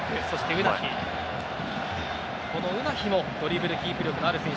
ウナヒもドリブルキープ力のある選手。